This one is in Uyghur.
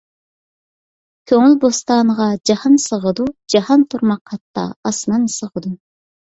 كۆڭۈل بوستانىغا جاھان سىغىدۇ، جاھان تۇرماق ھەتتا ئاسمان سىغىدۇ.